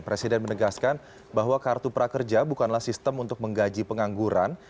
presiden menegaskan bahwa kartu prakerja bukanlah sistem untuk menggaji pengangguran